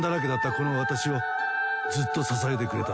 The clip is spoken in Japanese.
この私をずっと支えてくれた。